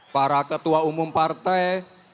para ketua umum partai